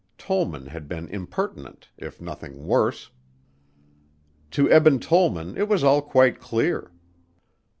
Tollman had been impertinent if nothing worse. To Eben Tollman it was all quite clear.